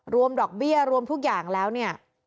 ดอกเบี้ยรวมทุกอย่างแล้วเนี่ย